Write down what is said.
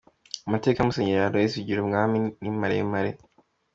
Amateka ya Musenyeri Aloys Bigirumwami ni maremare.